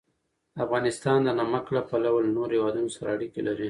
افغانستان د نمک له پلوه له نورو هېوادونو سره اړیکې لري.